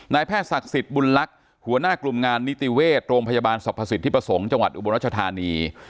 แพทย์ศักดิ์สิทธิ์บุญลักษณ์หัวหน้ากลุ่มงานนิติเวชโรงพยาบาลสรรพสิทธิประสงค์จังหวัดอุบลรัชธานี